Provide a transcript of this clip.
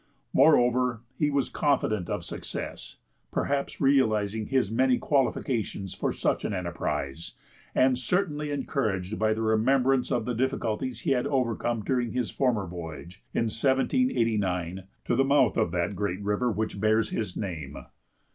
Moreover, he was confident of success, perhaps realizing his many qualifications for such an enterprise, and certainly encouraged by the remembrance of the difficulties he had overcome during his former voyage, in 1789, to the mouth of that great river which bears his name.